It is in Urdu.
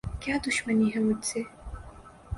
کیا دشمنی ہے مجھ سے؟